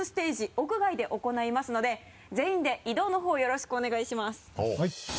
屋外で行いますので全員で移動のほうよろしくお願いします。